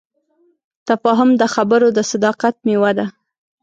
تفاهم د خبرو د صداقت میوه ده.